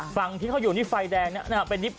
ฝั่งที่เขาอยู่ในไฟแดงเป็นดริป